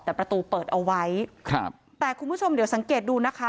แต่ประตูเปิดเอาไว้ครับแต่คุณผู้ชมเดี๋ยวสังเกตดูนะคะ